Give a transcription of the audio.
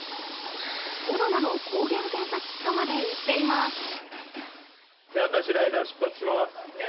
コロナの抗原検査キットまで売っています。